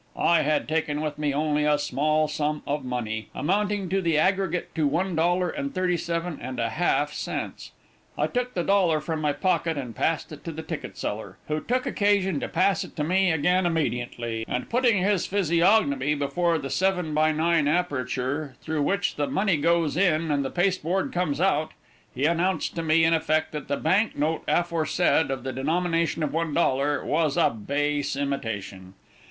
I had taken with me only a small sum of money amounting in the aggregate to one dollar and thirty seven and a half cents. I took the dollar from my pocket, and passed it to the ticket seller, who took occasion to pass it to me again immediately, and putting his physiognomy before the seven by nine aperture through which the money goes in and the pasteboard comes out, he announced to me, in effect, that the bank note aforesaid, of the denomination of one dollar, was a base imitation.